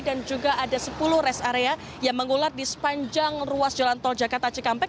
dan juga ada sepuluh rest area yang mengulat di sepanjang ruas jalan tol jakarta cekampek